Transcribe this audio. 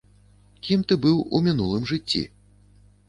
Кім ты быў у мінулым жыцці?